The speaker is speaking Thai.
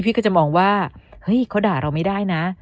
พี่ก็จะมองว่าเฮ้ยเขาด่าเราไม่ได้นะ